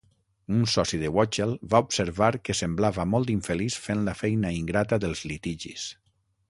Un soci de Wachtell va observar que semblava molt infeliç fent la feina ingrata dels litigis.